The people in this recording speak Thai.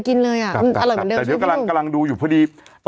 กำลังดูอยู่พอดี